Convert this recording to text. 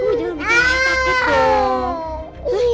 kamu jangan begitu begitu